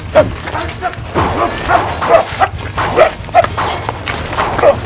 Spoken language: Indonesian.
jir kamu tidak apa apa